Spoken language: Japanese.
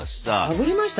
あぶりましたね。